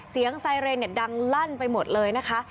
ไซเรนดังลั่นไปหมดเลยนะคะ